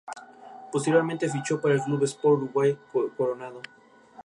Posteriormente, fichó para el Club Sport Uruguay de Coronado.